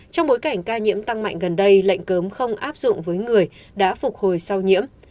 trong bối cảnh ca nhiễm tăng mạnh gần đây lệnh cấm không áp dụng với người đã phục hồi sau nhiễm